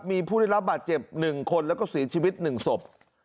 มีผู้ได้รับบาดเจ็บ๑คนแล้วก็เสียชีวิต๑ศพ